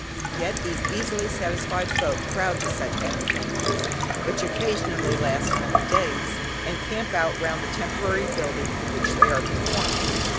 Yet these easily satisfied folk crowd to such entertainments (which occasionally last many days) and camp out round the temporary building in which they are performed.